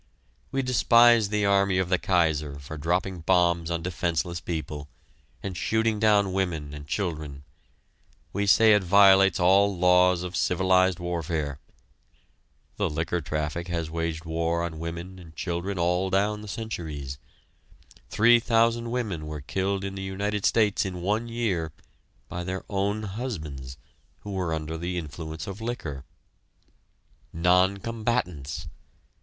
We despise the army of the Kaiser for dropping bombs on defenseless people, and shooting down women and children we say it violates all laws of civilized warfare. The liquor traffic has waged war on women and children all down the centuries. Three thousand women were killed in the United States in one year by their own husbands who were under the influence of liquor. Non combatants!